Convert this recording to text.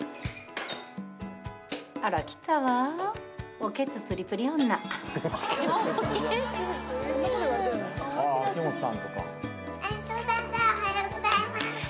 おはようございます。